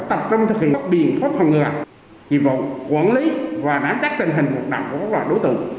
tập trung thực hiện phát biện pháp phạm ngừa hi vọng quản lý và nắm chắc tình hình hoạt động của các loại đối tượng